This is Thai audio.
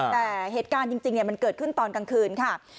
แต่เหตุการณ์จริงมันเกิดขึ้นตอนกลางคืนค่ะ